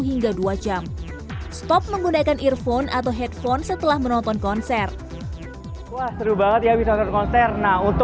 hingga dua jam stop menggunakan earphone atau headphone setelah menonton konser wah seru banget